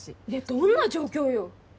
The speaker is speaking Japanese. どんな状況よ。